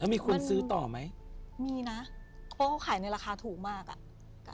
มีคนซื้อต่อไหมมีนะเพราะเขาขายในราคาถูกมากอ่ะ